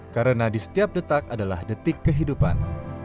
karena di setiap detak adalah detik kehidupan